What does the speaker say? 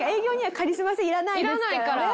いらないから。